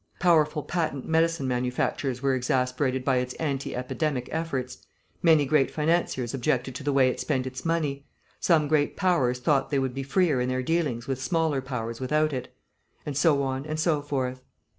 Powerful patent medicine manufacturers were exasperated by its anti epidemic efforts; many great financiers objected to the way it spent its money; some great powers thought they would be freer in their dealings with smaller powers without it. And so on and so forth.